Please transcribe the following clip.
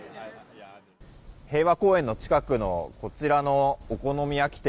平和公園の近くのこちらのお好み焼き店。